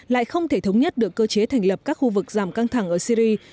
lại không thể thống nhất được cơ chế thành lập các khu vực giảm căng thẳng ở syri